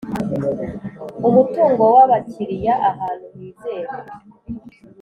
umutungo w Abakiriya ahantu hizewe